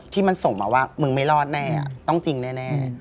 ที่มันส่งมาว่ามึงไม่รอดแน่ต้องจริงแน่